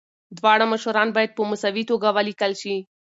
دواړه مشران باید په مساوي توګه ولیکل شي.